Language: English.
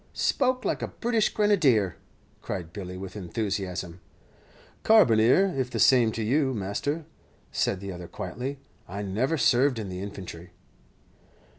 "Spoke like a British Grenadier," cried Billy, with enthusiasm. "Carbineer, if the same to you, master," said the other, quietly; "I never served in the infantry."